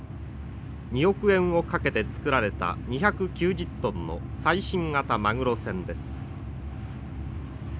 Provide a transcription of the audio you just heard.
２億円をかけて造られた２９０トンの最新型マグロ船です。